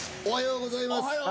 おはようございます。